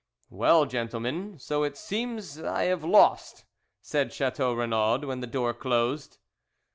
"Well, gentlemen, so it seems I have lost," said Chateau Renaud, when the door closed.